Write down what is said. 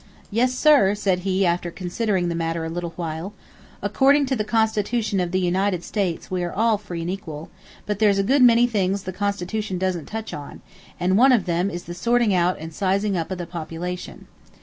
"Yes, sir," said he, after considering the matter a little while, "according to the Constitution of the United States we are all free and equal, but there's a good many things the Constitution doesn't touch on, and one of them is the sorting out and sizing up of the population.